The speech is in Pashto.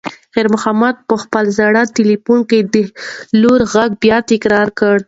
خیر محمد په خپل زوړ تلیفون کې د لور غږ بیا تکرار کړ.